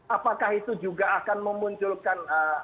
apakah itu juga akan memunculkan